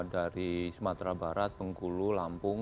dari sumatera barat bengkulu lampung